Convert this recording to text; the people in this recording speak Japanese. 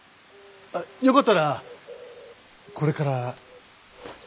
よかったらこれから。